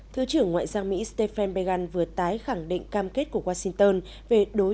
thứ trưởng ngoại giao mỹ stephen pagan vừa tái khẳng định cam kết của washington về đối